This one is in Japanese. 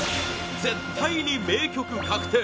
絶対に名曲確定！